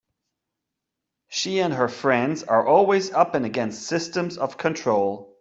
She and her friends are always up against systems of control.